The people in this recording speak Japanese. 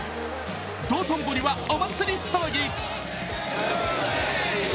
道頓堀はお祭り騒ぎ。